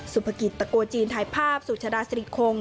สุภกิจตะโกจีนถ่ายภาพสุชดาสิริคง